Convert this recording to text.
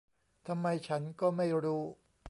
ทำไมฉันก็ไม่รู้